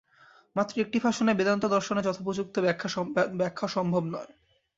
মাত্র একটি ভাষণে বেদান্তদর্শনের যথোপযুক্ত ব্যাখ্যা সম্ভব নয়।